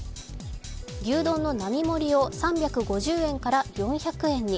牛丼の並盛を３５０円から４００円に。